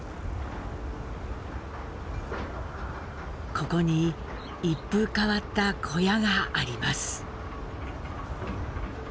ここに一風変わった小屋があります。